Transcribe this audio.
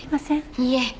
いいえ。